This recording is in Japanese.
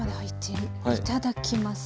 いただきます。